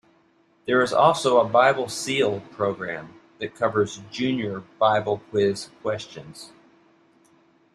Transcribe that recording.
There is also a Bible Seal program that covers Junior Bible Quiz questions.